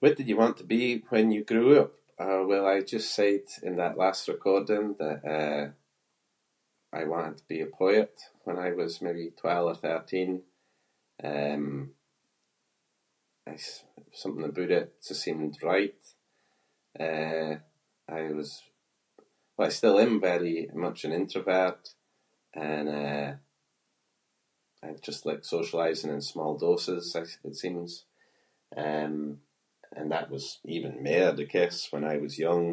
What did you want to be when you grew up? Ah, well I just said in that last recording that, eh, I wanted to be a poet when I was maybe twelve or thirteen. Um, I- s- something aboot it just seemed right. Eh, I was- well I still am very much an introvert and, eh, I just like socialising in small doses it seems. Um, and that was even mair the case when I was young.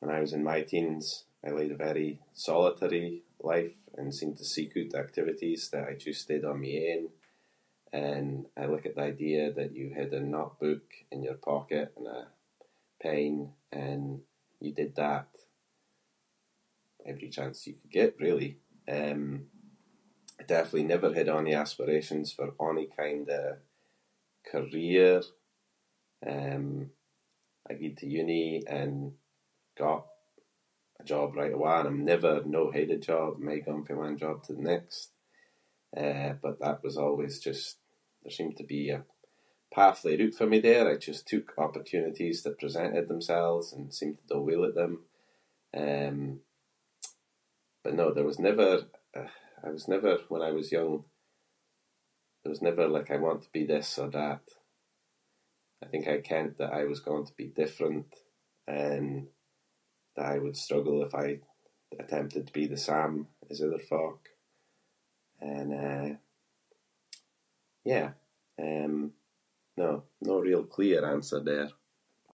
When I was in my teens I led a very solitary life and seemed to seek oot activities that I just did on my own. And I liked the idea that you had a notebook in your pocket and a pen and you did that every chance you could get, really. Um, I definitely never had ony aspirations for ony kind of career. Um, I gied to uni and got a job right awa’ and I’m never no had a job, I’m aie gone fae one job to the next. Eh, but that was always just- there seemed to be a path laid oot for me there. I just took opportunities that presented themselves and seemed to do well at them. Um, but no, there was never- I was never when I was young- there was never like I want to be this or that. I think I kent that I was going to be different and that I would struggle if I attempted to be the same as other folk. And, eh, yeah. Um, no- no real clear answer there.